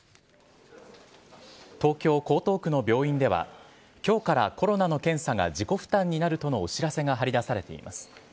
東京・江東区の病院では、きょうからコロナの検査が自己負担になるとのお知らせが張り出されています。